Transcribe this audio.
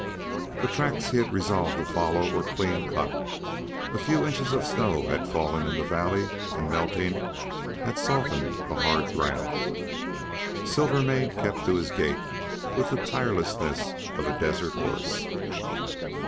The tracks he had resolved to follow were clean cut. A few inches of snow had fallen in the valley, and melting, had softened the hard ground. Silvermane kept to his gait with the tirelessness of a desert horse.